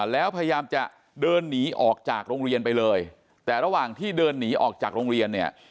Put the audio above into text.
แล้วพยายามจะเดินหนีออกจากโรงเรียนไปเลยแต่ระหว่างที่เดินหนีออกจากโรงเรียนเนี่ย